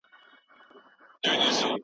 مفاهيم ژر اخیستل کيږي.